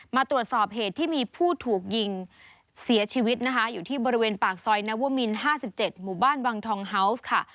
มาตรวจสอบเหตุที่มีผู้ถูกยิงเสียชีวิตนะคะอยู่ที่บริเวณปากซอยนวมิน๕๗หมู่บ้านวังทองเฮาวส์ค่ะ